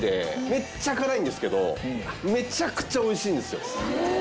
めっちゃ辛いんですけどめちゃくちゃ美味しいんですよ。